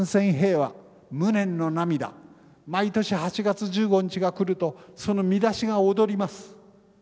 毎年８月１５日が来るとその見出しが躍ります。